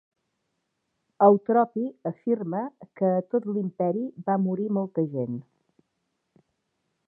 Eutropi afirma que a tot l'imperi va morir molta gent.